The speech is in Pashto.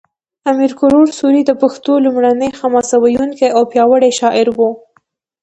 امیر کروړ سوري د پښتو لومړنی حماسه ویونکی او پیاوړی شاعر و